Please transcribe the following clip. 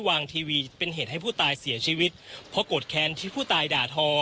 ทีวีเป็นเหตุให้ผู้ตายเสียชีวิตเพราะโกรธแค้นที่ผู้ตายด่าทอ